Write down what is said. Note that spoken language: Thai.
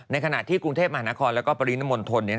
ในขณะที่กรุงเทพฯมหานครแล้วก็ปริณมนต์ทน